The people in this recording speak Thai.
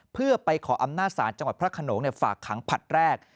เพื่อไปขออำนาจศาลจังหวัดพระขนงฝากขังผลัดแรก